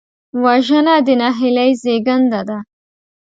وژنه د نهیلۍ زېږنده ده